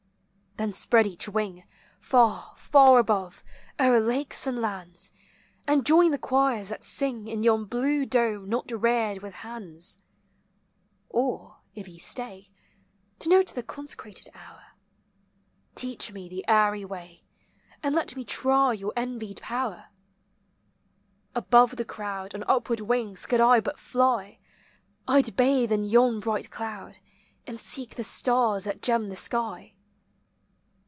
Then spread each wing Far, far above, o'er lakes and lands, And join the choirs that sing In yon blue dome not reared with hands. Or, if ye stay, To note the consecrated hour, ANIMATE NATURE. 331 Teach me the airy way, And let me try your envied power. Above the crowd On upward wings could I but fly, I 'd bathe in yon bright cloud, And seek the stars that gem the sky.